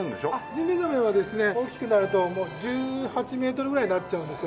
ジンベエザメはですね大きくなるともう１８メートルぐらいになっちゃうんですよ。